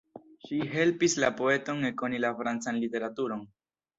Ŝi helpis la poeton ekkoni la francan literaturon.